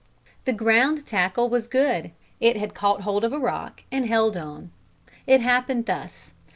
The ground tackle was good; it had caught hold of a rock and held on. It happened thus.